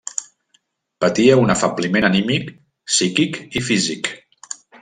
Patia un afebliment anímic, psíquic i físic.